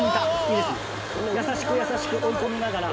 優しく優しく追い込みながら。